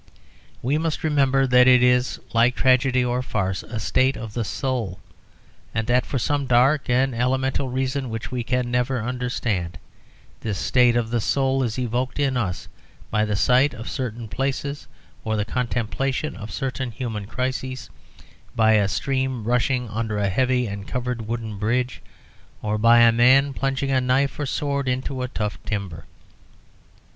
We must remember that it is, like tragedy or farce, a state of the soul, and that, for some dark and elemental reason which we can never understand, this state of the soul is evoked in us by the sight of certain places or the contemplation of certain human crises, by a stream rushing under a heavy and covered wooden bridge, or by a man plunging a knife or sword into tough timber.